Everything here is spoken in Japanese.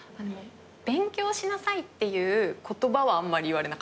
「勉強しなさい」っていう言葉はあんまり言われなかった。